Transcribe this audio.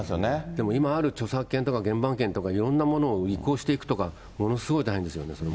でも今ある著作権とか原盤権とか、いろんなものを移行していくとか、ものすごい大変ですよね。